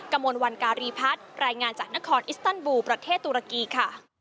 กระมวลวันการีพัฒน์รายงานจากนครอิสตันบูประเทศตุรกีค่ะ